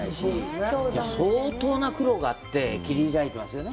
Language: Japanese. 相当な苦労があって、切り開いているよね。